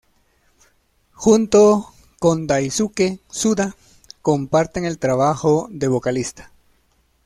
Junto con Daisuke Tsuda comparten el trabajo de vocalista.